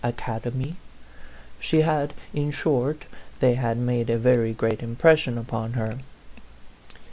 Academy. She had in short, they had made a very great im pression upon her.